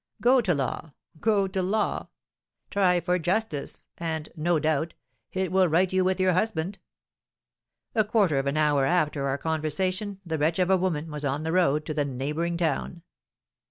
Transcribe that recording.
Go to law go to law! Try for justice, and, no doubt, it will right you with your husband.' A quarter of an hour after our conversation the wretch of a woman was on the road to the neighbouring town."